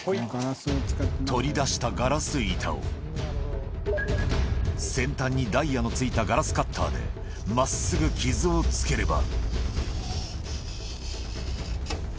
取り出したガラス板を、先端にダイヤのついたガラスカッターで、まっすぐ傷をつければ。